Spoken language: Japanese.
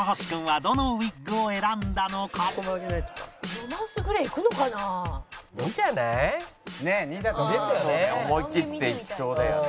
思いきっていきそうだよね。